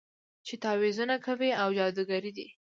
چې تعويذونه کوي او جادوګرې دي.